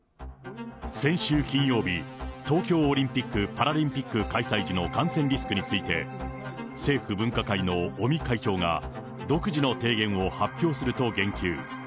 先週金曜日、東京オリンピック・パラリンピック開催時の感染リスクについて、政府分科会の尾身会長が、独自の提言を発表すると言及。